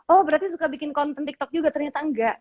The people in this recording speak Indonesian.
oh berarti suka bikin konten tiktok juga ternyata enggak